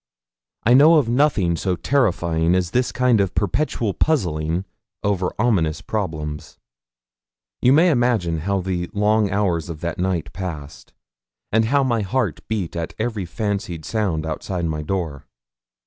I know of nothing so terrifying as this kind of perpetual puzzling over ominous problems. You may imagine how the long hours of that night passed, and how my heart beat at every fancied sound outside my door.